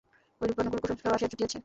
ঐরূপে অনেকগুলি কুসংস্কারও আসিয়া জুটিয়াছে।